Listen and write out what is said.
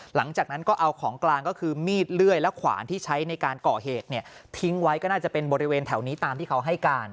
หลังจากนั้นก็เอาของกลางก็คือมีดเลื่อยและขวานที่ใช้ในการก่อเหตุเนี่ยทิ้งไว้ก็น่าจะเป็นบริเวณแถวนี้ตามที่เขาให้การ